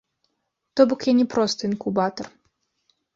То бок я не проста інкубатар.